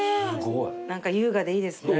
何か優雅でいいですね。